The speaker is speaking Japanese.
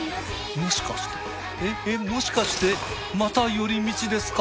もしかしてまた寄り道ですか？